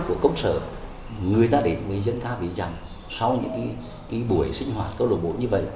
câu lạc bộ công sở người ta đến với dân ca vì rằng sau những cái buổi sinh hoạt câu lạc bộ như vậy